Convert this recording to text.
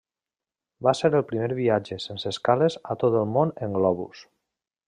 Va ser el primer viatge sense escales a tot el món en globus.